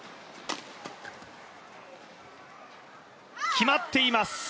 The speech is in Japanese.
決まっています。